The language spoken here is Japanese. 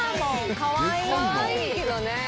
かわいいけどね。